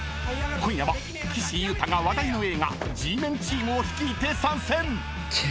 ［今夜は岸優太が話題の映画Ｇメンチームを率いて参戦！］